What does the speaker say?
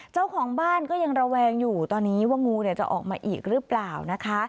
เจ้าของบ้านก็ยังระแวงอยู่ตอนนี้ว่างูจะออกมาอีกหรือเปล่านะคะ